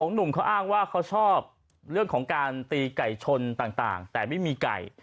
หนุ่มเขาอ้างว่าเขาชอบเรื่องของการตีไก่ชนต่างแต่ไม่มีไก่